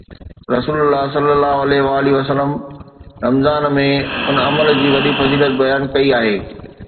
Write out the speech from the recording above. رسول الله صلي الله عليه وسلم رمضان ۾ ان عمل جي وڏي فضيلت بيان ڪئي آهي